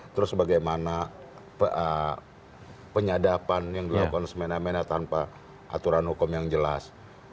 terus bagaimana penyadapan yang dilakukan semena mena tanpa aturan hukum yang jelas